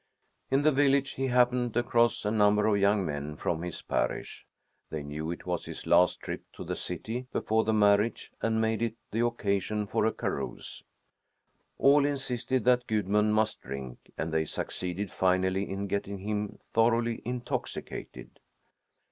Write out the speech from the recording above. In the village he happened across a number of young men from his parish. They knew it was his last trip to the city before the marriage and made it the occasion for a carouse. All insisted that Gudmund must drink, and they succeeded finally in getting him thoroughly intoxicated.